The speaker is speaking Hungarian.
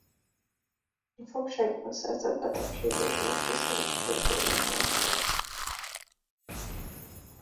A fogságban szerzett betegségei miatt viszonylag fiatalon halt meg.